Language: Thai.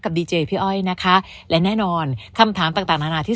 ดีเจพี่อ้อยนะคะและแน่นอนคำถามต่างต่างนานาที่